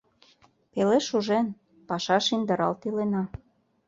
Пеле шужен, пашаш индыралт илена.